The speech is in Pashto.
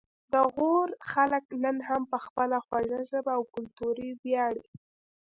د غور خلک نن هم په خپله خوږه ژبه او کلتور ویاړي